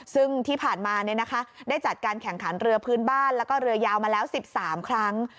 ซึ่งที่ผ่านมาได้จัดการแข่งขันเรือพื้นบ้านแล้วก็เรือยาวมาแล้ว๑๓ครั้ง